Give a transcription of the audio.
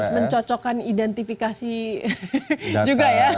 mencocokkan identifikasi juga ya